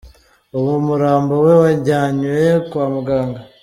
Ubu umurambo we wajyanywe kwa muganga.